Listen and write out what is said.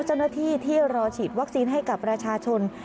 เจ้าหน้าที่ที่รอฉีดวัคซีนให้กับประชาชน